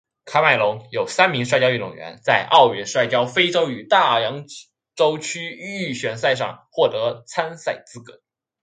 喀麦隆有三名摔跤运动员在奥运摔跤非洲与大洋洲区预选赛上获得参赛资格。